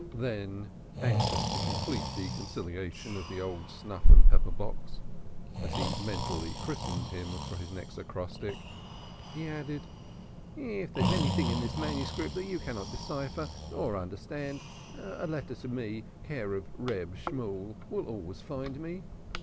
Then, anxious to complete the conciliation of the old snuff and pepper box, as he mentally christened him for his next acrostic, he added: "If there is anything in this manuscript that you cannot decipher or understand, a letter to me, care of Reb Shemuel, will always find me.